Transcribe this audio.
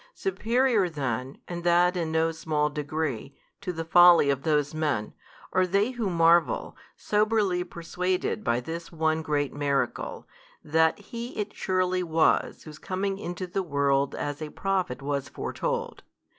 Superior then, and that in no small degree, to the folly of those men, are they who marvel, soberly persuaded by this one great miracle, that He it surely was Whose coming into the world as a Prophet was foretold.